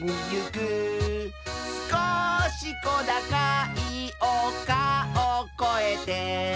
「すこしこだかいおかをこえて」